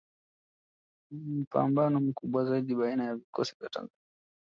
Mpambano mkubwa zaidi baina ya vikosi vya Tanzania